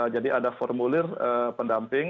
jadi ada formulir pendamping